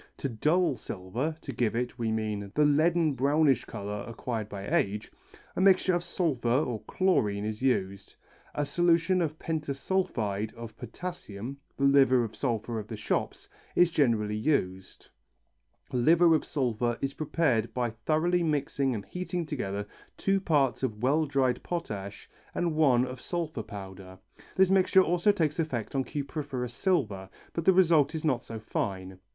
To dull silver to give it, we mean, the leaden brownish colour acquired by age a mixture with sulphur or chlorine is used. A solution of pentasulphide of potassium the liver of sulphur of the shops is generally used. Liver of sulphur is prepared by thoroughly mixing and heating together two parts of well dried potash and one of sulphur powder. This mixture also takes effect on cupriferous silver, but the result is not so fine.